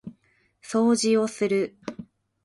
掃除をする